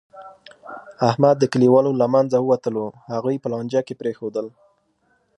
احمد د کلیوالو له منځه ووتلو، هغوی په لانجه کې پرېښودل.